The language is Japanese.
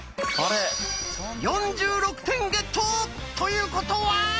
４６点ゲット！ということは！